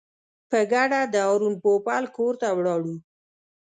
په ګډه د هارون پوپل کور ته ولاړو.